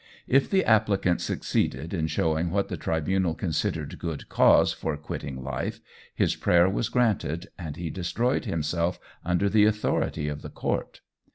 If the applicant succeeded in showing what the tribunal considered good cause for quitting life his prayer was granted, and he destroyed himself under the authority of the court.